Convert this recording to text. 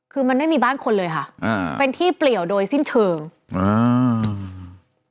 คือมันไม่มีบ้านคนเลยค่ะอ่าเป็นที่เปลี่ยวโดยสิ้นเชิงอ่า